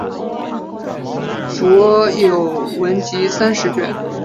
着有文集三十卷。